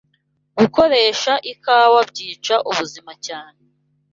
Gukoresha ikawa byica ubuzima cyane